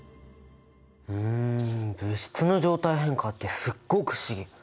うん物質の状態変化ってすっごく不思議。